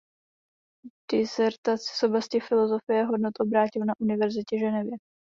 Disertaci z oblasti filosofie hodnot obhájil na univerzitě Ženevě.